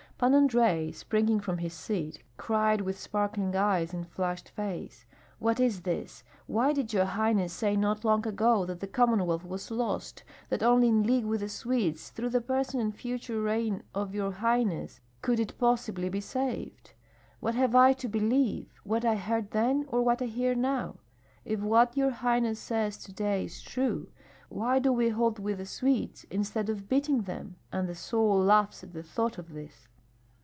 Pan Andrei, springing from his seat, cried with sparkling eyes and flushed face: "What is this? Why did your highness say not long ago that the Commonwealth was lost, that only in league with the Swedes, through the person and future reign of your highness, could it possibly be saved? What have I to believe, what I heard then, or what I hear now? If what your highness says to day is true, why do we hold with the Swedes, instead of beating them? and the soul laughs at the thought of this."